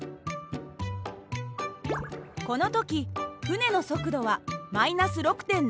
この時船の速度は−６．７ｃｍ／ｓ。